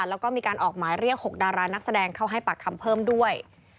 แล้วก็มีการออกหมายเรียก๖ดารานักแสดงเข้าให้ปากคำเพิ่มด้วย